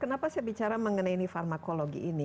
kenapa saya bicara mengenai ini farmakologi ini